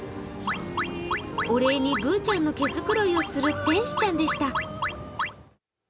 お礼にぶーちゃんの毛づくろいをする天使ちゃんでした。